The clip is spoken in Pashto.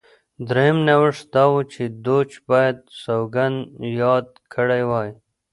درېیم نوښت دا و چې دوج باید سوګند یاد کړی وای